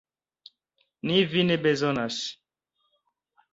Ni vin bezonas!